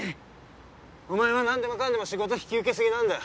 お前は何でもかんでも仕事引き受け過ぎなんだ。